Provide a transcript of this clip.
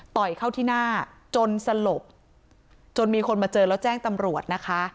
ต่อยเข้าที่หน้าจนสลบจนมีคนมาเจอแล้วแจ้งตำรวจนะคะ